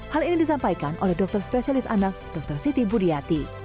hal ini disampaikan oleh dokter spesialis anak dokter siti budiati